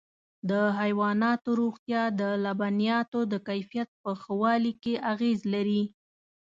د حيواناتو روغتیا د لبنیاتو د کیفیت په ښه والي کې اغېز لري.